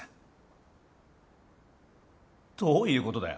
どういう事だよ？